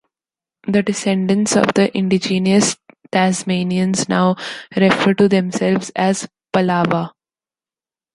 The descendants of the indigenous Tasmanians now refer to themselves as 'Palawa'.